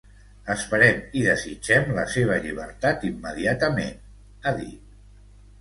Esperem i desitgem la seva llibertat immediatament, ha dit.